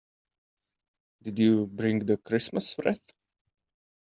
Did you bring the Christmas wreath?